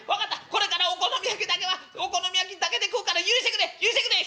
これからお好み焼きはお好み焼きだけで食うから許してくれ許してくれ！」。